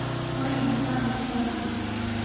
ولې انسان ممتاز دى؟